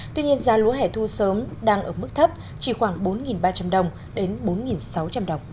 tuy nhiên giá lúa hẻ thu sớm đang ở mức thấp chỉ khoảng bốn ba trăm linh đồng đến bốn sáu trăm linh đồng